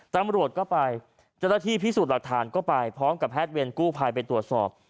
ตำรวจก็ไปเจ้าหน้าที่พิสูจน์หลักฐานก็ไปพร้อมกับแพทย์เวรกู้ภัยไปตรวจสอบ